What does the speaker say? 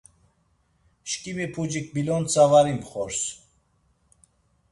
Şkimi pucik bilontsa var imxors.